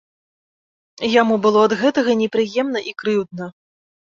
Яму было ад гэтага непрыемна і крыўдна.